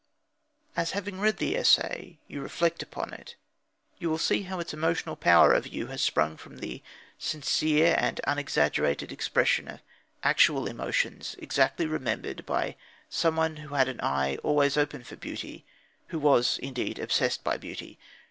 As, having read the essay, you reflect upon it, you will see how its emotional power over you has sprung from the sincere and unexaggerated expression of actual emotions exactly remembered by someone who had an eye always open for beauty, who was, indeed, obsessed by beauty.